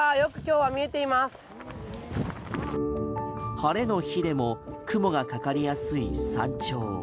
晴れの日でも雲がかかりやすい山頂。